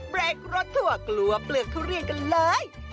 เบรกรถทัวร์กลัวเปลือกทุเรียนกันเลย